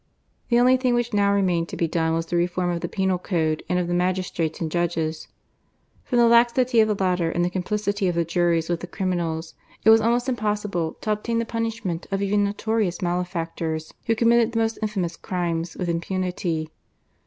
The only thing which now remained to be done was the reform of the penal code and of the magis trates and judges. From the laxity of the latter, and the complicity of the juries with the criminals, it was almost impossible to obtain the punishment of even notorious malefectors, who committed the most infamous crimes with impunity.